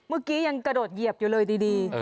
เมื่อกี้ยังกระโดดเหยียบอยู่เลยดี